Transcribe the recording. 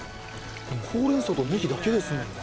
でもほうれん草とネギだけですもんね。